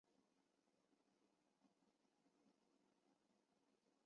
在此期间交战双方与车臣当地居民均遭受了惨重伤亡。